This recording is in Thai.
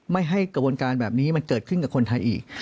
ไม่ให้กระบวนการแบบนี้มันเกิดขึ้นกับคนไทยอีก